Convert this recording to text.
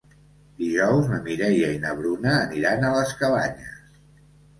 Dijous na Mireia i na Bruna aniran a les Cabanyes.